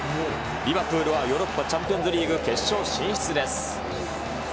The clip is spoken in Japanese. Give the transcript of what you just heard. リバプールはヨーロッパチャンピオンズリーグ決勝進出です。